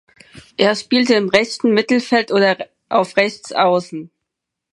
Er spielte im rechten Mittelfeld oder auf Rechtsaußen.